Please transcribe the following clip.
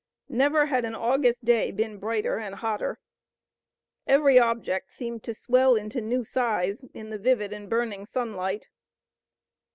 Never had an August day been brighter and hotter. Every object seemed to swell into new size in the vivid and burning sunlight.